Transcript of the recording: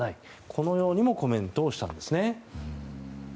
このようにもコメントしたんです。